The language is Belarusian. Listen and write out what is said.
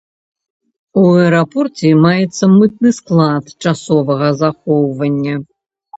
У аэрапорце маецца мытны склад часовага захоўвання.